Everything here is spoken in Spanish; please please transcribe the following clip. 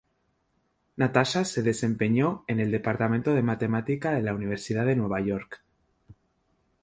Natasha se desempeñó en el departamento de matemática de Universidad de Nueva York.